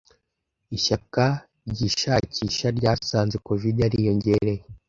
Ishyaka ry’ishakisha ryasanze covid yariyongereye.